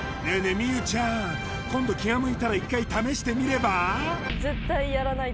望結ちゃん今度気が向いたら１回試してみれば？